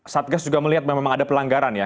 satgas juga melihat memang ada pelanggaran ya